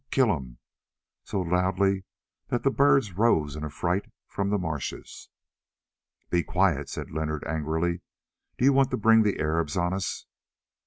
kill him!" so loudly that the birds rose in affright from the marshes. "Be quiet," said Leonard angrily; "do you want to bring the Arabs on us?"